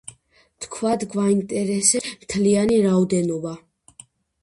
ვთქვათ, გვაინტერესებს მთლიანი რაოდენობა.